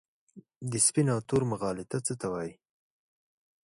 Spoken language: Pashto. د سپین او تور مغالطه څه ته وايي؟